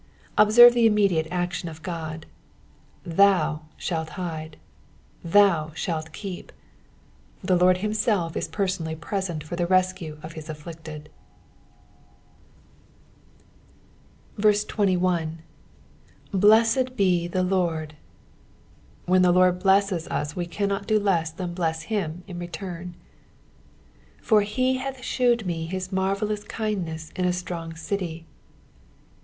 Observe the immediate action of God, " Thau shall hide," " Thau shalt keep," the Lord himself is personally present for the rescue of bis afflicted. 21. " BUued tte ihe lard." When the Lord blesses us we cannot do l«n than bless him in return. " For he hath thewed me hit maneUva* kindneu in a ttrong eity."